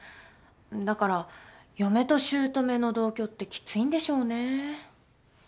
だから嫁と姑の同居ってきついんでしょうね。